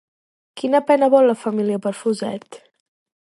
Quina pena vol la família per Fuset?